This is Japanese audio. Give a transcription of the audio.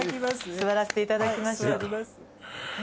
座らせていただきましょう。